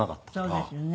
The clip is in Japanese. そうですよね。